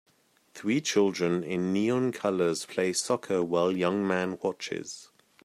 Three children in neon colors play soccer while young man watches